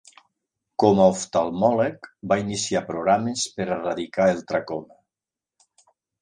Com a oftalmòleg, va iniciar programes per erradicar el tracoma.